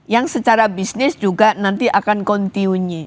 yang secara bisnis juga nanti akan continue